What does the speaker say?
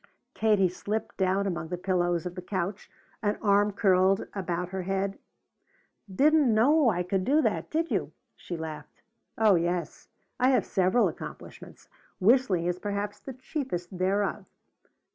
Katie slipped down among the pillows of the couch, an arm curled about her head. "Didn't know I could do that, did you?" she laughed. "Oh yes, I have several accomplishments. Whistling is perhaps the chiefest thereof.